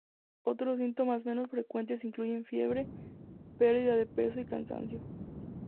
Otros síntomas menos frecuentes incluyen fiebre, perdida de peso y cansancio.